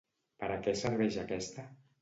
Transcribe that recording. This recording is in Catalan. Per a què serveix aquesta?